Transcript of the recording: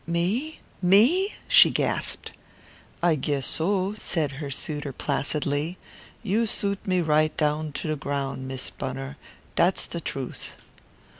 "Me me?" she gasped. "I guess so," said her suitor placidly. "You suit me right down to the ground, Miss Bunner. Dat's the truth."